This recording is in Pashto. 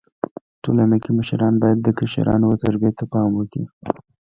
ټولنه کي مشران بايد د کشرانو و تربيي ته پام وکړي.